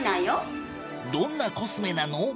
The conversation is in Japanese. どんなコスメなの？